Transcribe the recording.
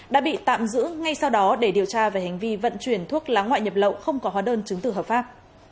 đã bị tạm giữ ngay sau đó để điều tra về hành vi vận chuyển thuốc lá ngoại nhập lậu không có hóa đơn chứng tử hợp pháp